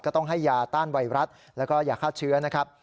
ต้องให้ยาต้านไวรัสแล้วก็ยาฆ่าเชื้อนะครับ